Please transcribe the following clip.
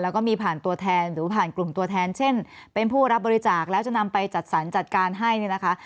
แล้วก็มีผ่านตัวแทนหรือผ่านกลุ่มตัวแทนเช่นเป็นผู้รับบริจาคแล้วจะนำไปจัดสรรจัดการให้เนี่ยนะคะ